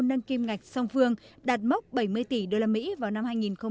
nâng kim ngạch song phương đạt mốc bảy mươi tỷ usd vào năm hai nghìn hai mươi